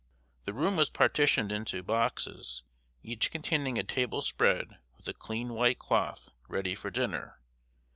The room was partitioned into boxes, each containing a table spread with a clean white cloth, ready for dinner.